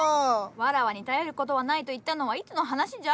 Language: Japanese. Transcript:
わらわに頼る事はないと言ったのはいつの話じゃ？